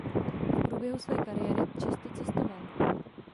V průběhu své kariéry často cestoval.